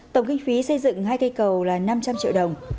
tổng kinh phí xây dựng hai cây cầu là năm trăm linh triệu đồng